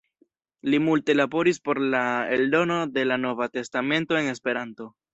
Li multe laboris por la eldono de la Nova testamento en Esperanto.